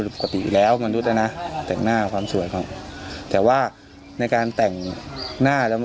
ปกติอยู่แล้วมนุษย์อ่ะนะแต่งหน้าความสวยเขาแต่ว่าในการแต่งหน้าแล้ว